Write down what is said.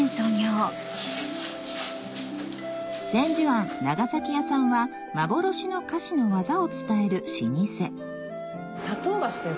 千寿庵長崎屋さんは幻の菓子の技を伝える老舗砂糖菓子。